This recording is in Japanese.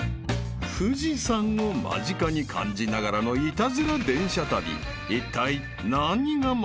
［富士山を間近に感じながらのイタズラ電車旅］